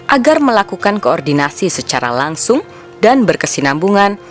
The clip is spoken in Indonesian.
agar melakukan koordinasi secara langsung dan berkesinambungan